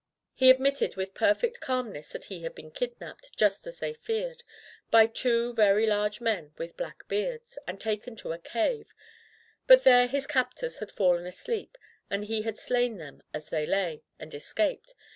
He admitted with perfect calmness that he had been kidnapped, just as they feared, by two very large men with black beards, and taken to a cave; but there his captors had fallen asleep, and he had slain them as they lay, and escaped.